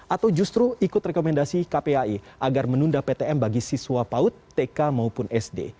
atau justru ikut rekomendasi kpai agar menunda ptm bagi siswa paut tk maupun sd